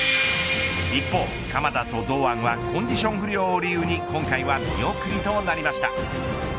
一方、鎌田と堂安はコンディション不良を理由に今回は見送りとなりました。